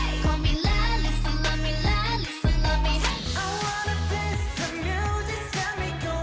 ini raktli oktila menyumbangkan tiga medali diajang paralimpiade tokyo dua ribu dua puluh